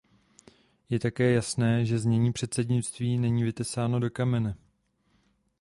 Je také jasné, že znění předsednictví není vytesáno do kamene.